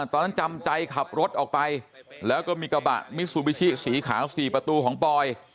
จำใจขับรถออกไปแล้วก็มีกระบะมิซูบิชิสีขาว๔ประตูของปอย